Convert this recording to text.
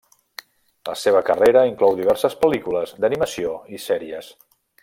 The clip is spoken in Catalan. La seva carrera inclou diverses pel·lícules d'animació i series.